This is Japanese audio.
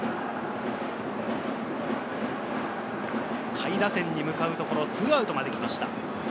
下位打線に向かうところ、２アウトまで来ました。